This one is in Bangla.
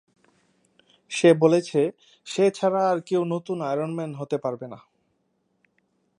সে বলেছে, সে ছাড়া আর কেউ নতুন আয়রন ম্যান হতে পারবে না।